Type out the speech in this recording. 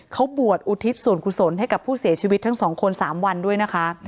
เขาบวชอุทิศส่วนกุศลให้กับผู้เสียชีวิตทั้ง๒คน๓วันด้วยนะคะ